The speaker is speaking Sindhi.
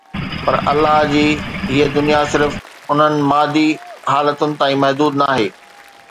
پر الله جي هيءَ دنيا صرف انهن مادي حالتن تائين محدود ناهي